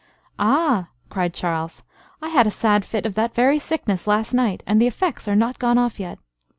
"Ah!" cried Charles, "I had a sad fit of that very sickness last night, and the effects are not gone off yet.